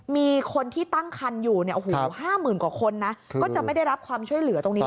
มีคนที่ตั้งคันอยู่๕หมื่นกว่าคนก็จะไม่ได้รับความช่วยเหลือตรงนี้ด้วย